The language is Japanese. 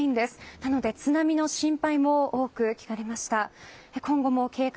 なので津波の心配も多く聞かれました。